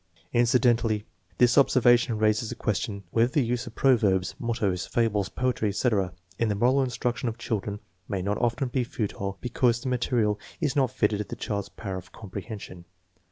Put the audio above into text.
Incidentally, this observation raises the question whether the use of proverbs, mottoes, fables, poetry, etc., in the moral instruction of children may not often be futile be cause the material is not fitted to the child's power of com prehension.